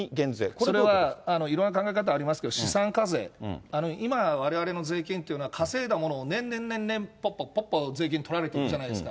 それは、いろいろな考え方ありますけど、資産課税、今われわれの税金っていうのは稼いだものを年々年々、ぽっぽっぽっぽっ、税金取られているじゃないですか。